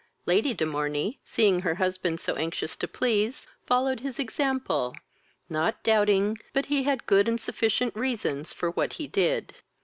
Lady de Morney, seeing her husband so anxious to please, followed his example, not doubting but he had good and sufficient reasons for what he did.